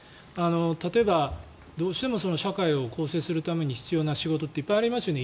例えば、どうしても社会を構成するために必要な仕事っていっぱいありますよね。